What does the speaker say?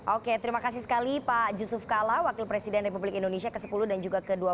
oke terima kasih sekali pak yusuf kala wakil presiden republik indonesia ke sepuluh dan juga ke dua belas